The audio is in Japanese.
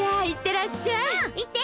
いってらっしゃい！